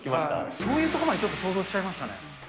そういうとこまでちょっと想像しちゃいましたね。